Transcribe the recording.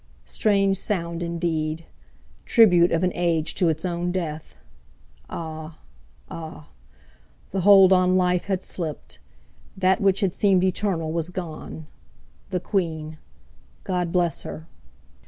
Strange sound, indeed! Tribute of an Age to its own death.... Ah! Ah!... The hold on life had slipped. That which had seemed eternal was gone! The Queen—God bless her!